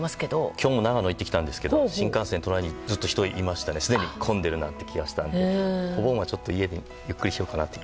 今日も長野に行ってきたんですが新幹線の隣にずっと人がいてすでに混んでいるなという気がしたのでお盆は家でゆっくりしようかなと。